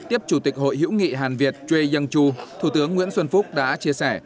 tiếp chủ tịch hội hiểu nghị hàn việt choi young choo thủ tướng nguyễn xuân phúc đã chia sẻ